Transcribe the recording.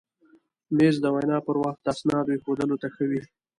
مېز د وینا پر وخت اسنادو ایښودلو ته ښه وي.